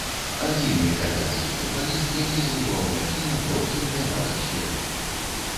Адзіны італьянскі футбаліст, які забіваў мячы на трох чэмпіянатах свету.